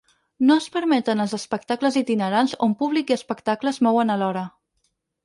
No es permeten els espectacles itinerants on públic i espectacle es mouen alhora.